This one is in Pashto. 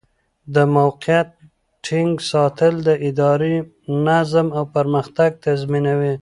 د موقف ټینګ ساتل د ادارې نظم او پرمختګ تضمینوي.